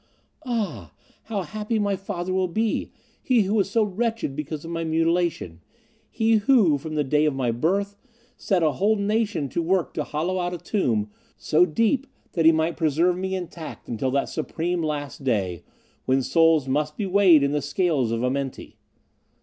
"Ah, how happy my father will be, he who was so wretched because of my mutilation he who, from the day of my birth, set a whole nation to work to hollow out a tomb so deep that he might preserve me intact until that supreme last day, when souls must be weighed in the scales of Amenti!